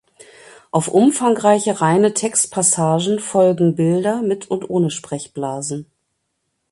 Auf umfangreiche reine Textpassagen folgen Bilder mit und ohne Sprechblasen.